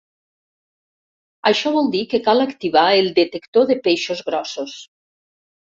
Això vol dir que cal activar el detector de peixos grossos.